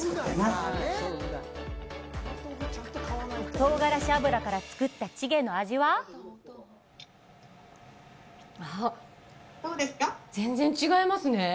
唐辛子油から作ったチゲの味はあっ全然違いますね